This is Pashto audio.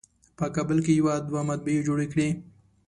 په کابل کې یې دوه مطبعې جوړې کړې.